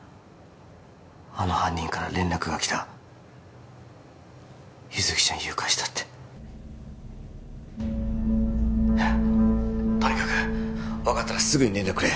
あの犯人から連絡がきた優月ちゃん誘拐したってとにかく分かったらすぐに連絡くれ